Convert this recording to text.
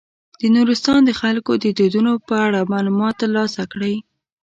د نورستان د خلکو د دودونو په اړه معلومات تر لاسه کړئ.